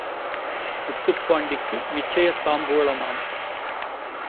முத்துப்பாண்டிக்கு நிச்சயத் தாம்பூலமாம்.